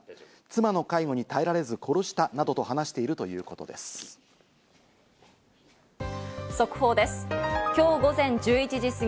妻の介護に耐えられず殺したなどと話しているということです。